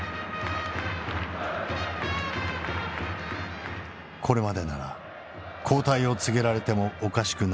これまでなら交代を告げられてもおかしくない内容。